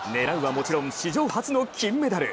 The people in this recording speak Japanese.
もちろん史上初の金メダル。